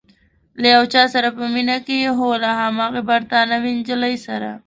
له یو چا سره په مینه کې یې؟ هو، له هماغې بریتانوۍ نجلۍ سره؟